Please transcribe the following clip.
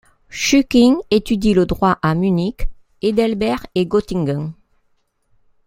Schücking étudie le droit à Munich, Heidelberg et Göttingen.